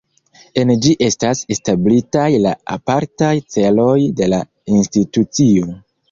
En ĝi estas establitaj la apartaj celoj de la institucio.